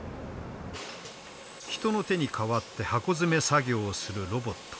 人の手に代わって箱詰め作業をするロボット。